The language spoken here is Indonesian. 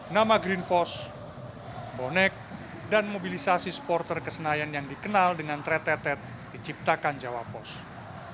nama green force bonek dan mobilisasi supporter kesenayan yang dikenal dengan tretetet diciptakan jawa post